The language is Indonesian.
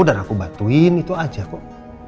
dan aku bantuin itu aja kok